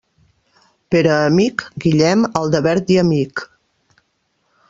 Pere Amic, Guillem, Aldebert i Amic.